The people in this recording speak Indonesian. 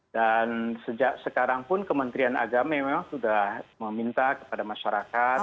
dan sejak sekarang pun kementerian agama memang sudah meminta kepada masyarakat